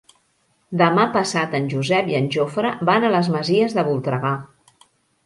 Demà passat en Josep i en Jofre van a les Masies de Voltregà.